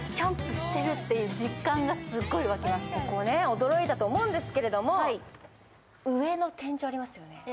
驚いたと思うんですけれども、上に天井ありますよね。